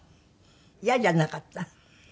イヤじゃなかった？